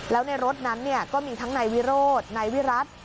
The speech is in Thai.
แล้วในรถนั้นก็มีทั้งนายวิโรธนายวิรัติ